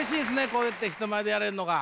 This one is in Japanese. こうやって人前でやれるのが。